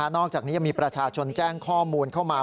อกจากนี้ยังมีประชาชนแจ้งข้อมูลเข้ามา